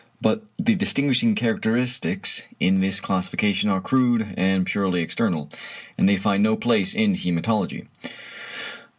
But the distinguishing characteristics in this classification are crude and purely external, and they find no place in hæmatology.